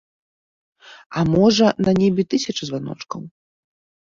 А можа, на небе тысяча званочкаў?